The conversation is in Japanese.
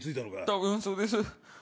多分そうです。